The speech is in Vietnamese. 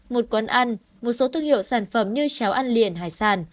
một quán ăn một số thương hiệu sản phẩm như cháo ăn liền hải sản